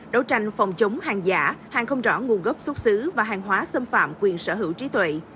đấu tranh phòng chống hàng giả hàng không rõ nguồn gốc xuất xứ và hàng hóa xâm phạm quyền sở hữu trí tuệ